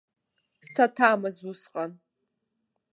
Саҭамыз усҟан!